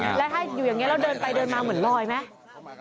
แล้วถ้าอยู่อย่างนี้แล้วเดินไปเดินมาเหมือนลอยไหม